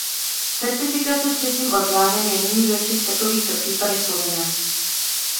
Certifikace třetím orgánem je nyní ve všech takovýchto případech povinná.